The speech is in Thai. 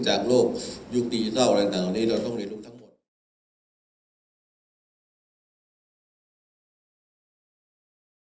จากโลกยุคดิจิทัลอะไรต่างเหล่านี้เราต้องเรียนรู้ทั้งหมด